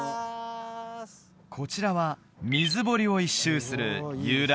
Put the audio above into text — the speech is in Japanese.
こちらは水堀を一周する遊覧